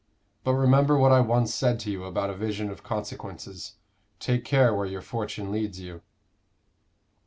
But remember what I once said to you about a vision of consequences; take care where your fortune leads you."